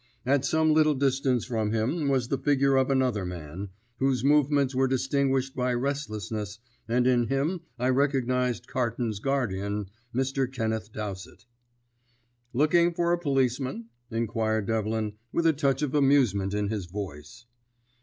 At some little distance from him was the figure of another man, whose movements were distinguished by restlessness, and in him I recognised Carton's guardian, Mr. Kenneth Dowsett. "Looking for a policeman?" inquired Devlin, with a touch of amusement in his voice.